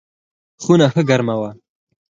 خونه ښه ګرمه وه.